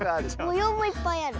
もようもいっぱいある。